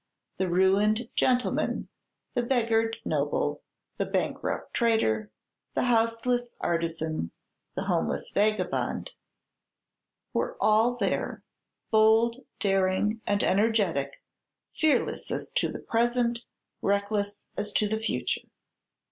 The ruined gentleman, the beggared noble, the bankrupt trader, the houseless artisan, the homeless vagabond, were all there; bold, daring, and energetic, fearless as to the present, reckless as to the future.